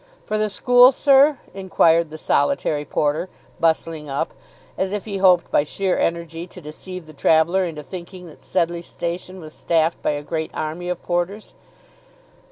"For the school, sir?" inquired the solitary porter, bustling up, as if he hoped by sheer energy to deceive the traveller into thinking that Sedleigh station was staffed by a great army of porters.